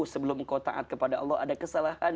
sebelum engkau taat kepada allah ada kesalahan